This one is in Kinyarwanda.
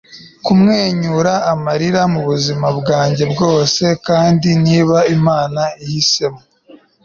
kumwenyura, amarira, mubuzima bwanjye bwose!; kandi, niba imana ihisemo